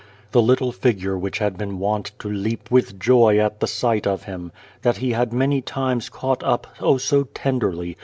The little figure which had been wont to leap with joy at sight of him ; that he had many times caught up (oh ! so tenderly!)